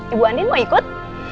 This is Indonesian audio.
ibu andien mau ikut